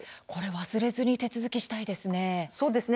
忘れずに手続きしたいですね。